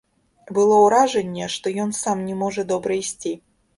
Было ўражанне, што ён сам не можа добра ісці.